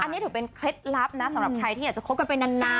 อันนี้ถือเป็นเคล็ดลับนะสำหรับใครที่อยากจะคบกันไปนาน